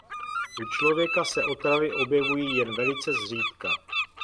U člověka se otravy objevují jen velice zřídka.